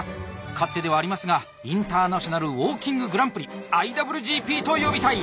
勝手ではありますがインターナショナルウォーキンググランプリ「ＩＷＧＰ」と呼びたい！